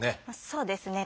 そうですね。